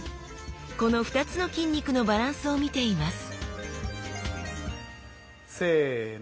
この２つの筋肉のバランスを見ていますせの。